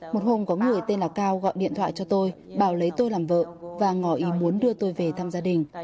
một hôm có người tên là cao gọi điện thoại cho tôi bảo lấy tôi làm vợ và ngỏ ý muốn đưa tôi về thăm gia đình